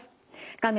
画面